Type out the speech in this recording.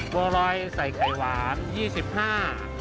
บัวรอยใส่ไข่หวาน๒๕บาท